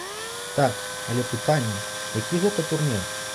Так, але пытанне, які гэта турнір.